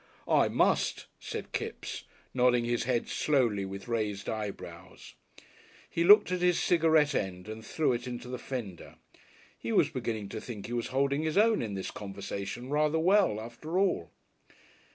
"I must," said Kipps, nodding his head slowly with raised eyebrows. He looked at his cigarette end and threw it into the fender. He was beginning to think he was holding his own in this conversation rather well, after all.